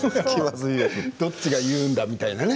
どっちが言うんだ、みたいなね。